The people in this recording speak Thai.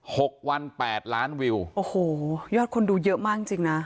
หกวันแปดล้านวิวโอ้โหยอดคนดูเยอะมากจริงจริงน่ะ